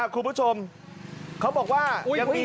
คุณผู้ชมที่กดดูคุณป้าก็บอกอย่างนี้